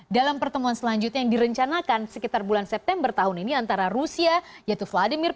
dalam pertemuan selanjutnya yang direncanakan sekitar bulan september tahun ini antara rusia yaitu vladimir